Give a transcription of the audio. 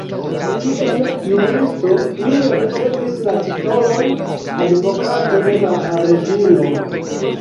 Kiel juristo li ricevis la titolon Advokato de la Reĝino.